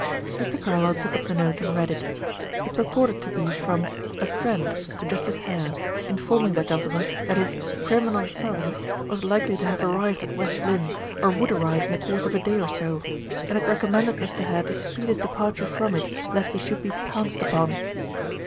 Mr. Carlyle took up the note and read it. It purported to be from "a friend" to Justice Hare, informing that gentleman that his "criminal son" was likely to have arrived at West Lynne, or would arrive in the course of a day or so; and it recommended Mr. Hare to speed his departure from it, lest he should be pounced upon.